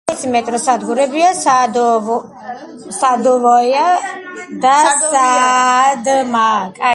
უახლოესი მეტროს სადგურებია „სადოვაია“, და „საადმირალო“.